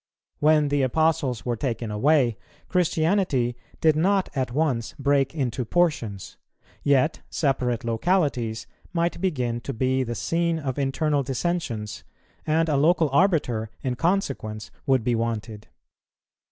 When the Apostles were taken away, Christianity did not at once break into portions; yet separate localities might begin to be the scene of internal dissensions, and a local arbiter in consequence would be wanted.